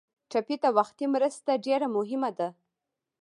ټپي ته وختي مرسته ډېره مهمه ده.